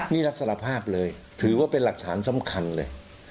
นี่รับสารภาพเลยถือว่าเป็นหลักฐานสำคัญเลย